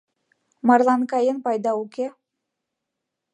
— Марлан каен, пайда уке.